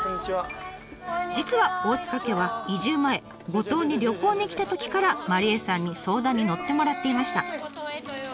実は大塚家は移住前五島に旅行に来たときから麻梨絵さんに相談に乗ってもらっていました。